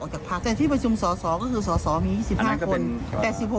เฉพาะที่ประชุมสอสอก็คือสอสอมี๒๕คนแต่๑๖คนนี้คือเข้าไปดวงแล้ว